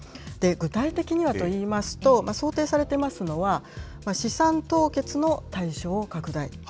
具体的にはといいますと、想定されていますのは、資産凍結の対象を拡大。